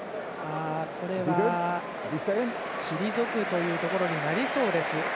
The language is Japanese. これは、退くというところになりそうです。